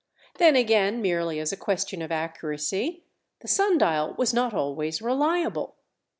Then, again, merely as a question of accuracy, the sun dial was not always reliable.